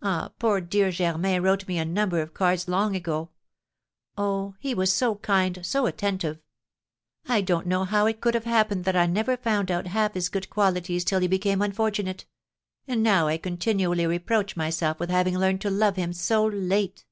Ah, poor dear Germain wrote me a number of cards long ago! Oh, he was so kind, so attentive! I don't know how it could have happened that I never found out half his good qualities till he became unfortunate; and now I continually reproach myself with having learned to love him so late."